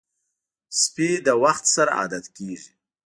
سپي له وخت سره عادت کېږي.